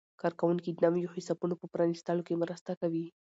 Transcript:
کارکوونکي د نویو حسابونو په پرانیستلو کې مرسته کوي.